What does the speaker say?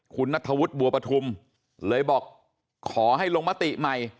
คุณนัทธวุฒิบัวปฐุมเลยบอกขอให้ลงมติใหม่